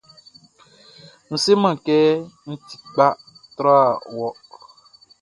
N seman kɛ n ti kpa tra wɔ.